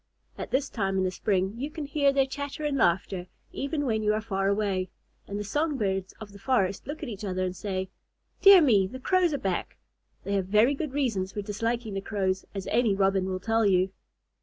At this time in the spring, you can hear their chatter and laughter, even when you are far away; and the song birds of the forest look at each other and say, "Dear me! The Crows are back." They have very good reasons for disliking the Crows, as any Robin will tell you.